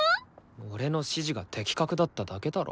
俺の指示が的確だっただけだろ。